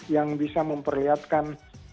yang bisa memperlihatkan